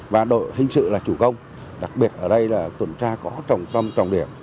và đội hình sự là chủ công đặc biệt ở đây là tuần tra có trọng tâm trọng điểm